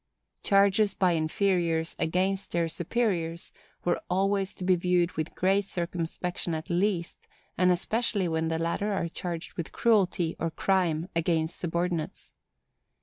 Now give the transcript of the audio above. Charges by inferiors against their superiors were always to be viewed with great circumspection at least, and especially when the latter are charged with cruelty or crime against subordinates.